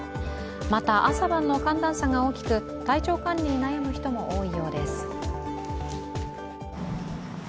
また朝晩の寒暖差が大きく、体調管理に悩む人も多いようです。